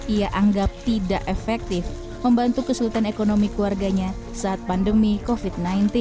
ia anggap tidak efektif membantu kesulitan ekonomi keluarganya saat pandemi covid sembilan belas